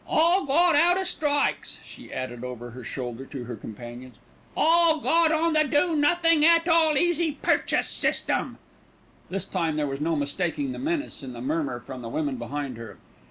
"All got out o' strikes," she added over her shoulder to her companions. "All got on the do nothin' at all easy purchase system." This time there was no mistaking the menace in the murmur from the women behind her.